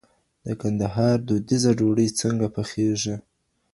د کندهار دودیزه ډوډۍ څنګه پخېږي؟